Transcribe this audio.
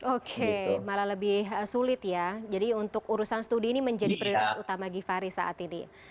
oke malah lebih sulit ya jadi untuk urusan studi ini menjadi prioritas utama givhary saat ini